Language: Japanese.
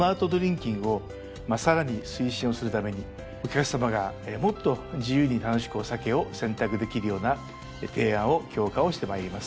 キングをさらに推進をするためにお客さまがもっと自由に楽しくお酒を選択できるような提案を強化をしてまいります。